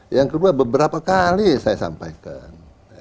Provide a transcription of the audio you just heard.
yang kedua beberapa kali saya sampaikan